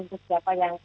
untuk siapa yang